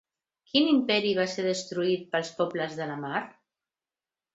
Quin imperi va ser destruït pels pobles de la mar?